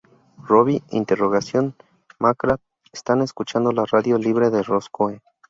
Robbie "Interrogación" McGrath: Están escuchando la radio libre de roscoe.